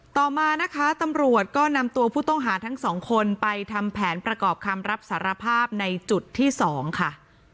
ต่อมานะคะตำรวจก็นำตัวผู้ต้องหาทั้งสองคนไปทำแผนประกอบคำรับสารภาพในจุดที่๒ค่ะ